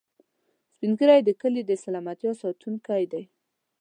سپین ږیری د کلي د سلامتیا ساتونکي دي